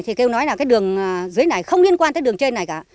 thì kêu nói là cái đường dưới này không liên quan tới đường trên này cả